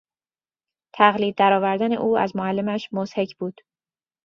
تقلید درآوردن او از معلمش مضحک بود.